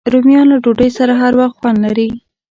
رومیان له ډوډۍ سره هر وخت خوند لري